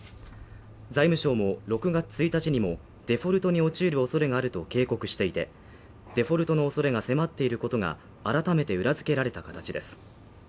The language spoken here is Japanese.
財務省も６月１日にもデフォルトに陥る恐れがあると警告していて、デフォルトの恐れが迫っていることが改めて裏付けられた形です。